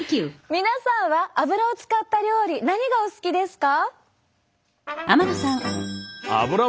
皆さんはアブラを使った料理何がお好きですか？